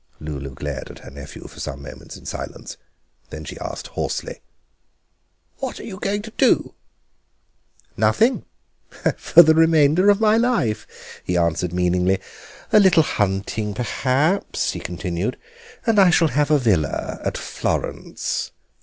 Lulu glared at her nephew for some moments in silence. Then she asked hoarsely: "What are you going to do?" "Nothing—for the remainder of my life," he answered meaningly. "A little hunting, perhaps," he continued, "and I shall have a villa at Florence.